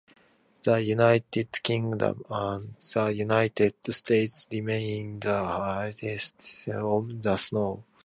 The United Kingdom and the United States remain the highest syndicators of the show.